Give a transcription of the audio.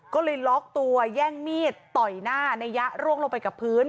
ก็เลยล็อกตัวแย่งมีดต่อยหน้านายยะร่วงลงไปกับพื้น